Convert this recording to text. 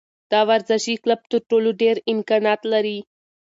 دا ورزشي کلب تر ټولو ډېر امکانات لري.